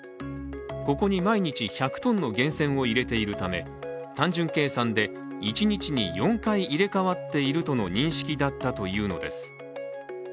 ここに毎日１００ｔの源泉を入れているため単純計算で一日に４回入れ替わっているとの認識だったというのです。